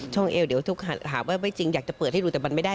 ช่องอิเอวเดี๋ยวถ้าถามว่าไม่จริงอยากจะเปิดให้ดูแต่ว่ามันไม่ได้